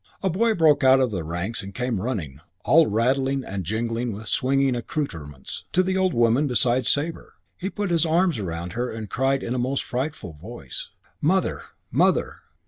A boy broke out of the ranks and came running, all rattling and jingling with swinging accoutrements, to the old woman beside Sabre, put his arms around her and cried in a most frightful voice, "Mother! Mother!"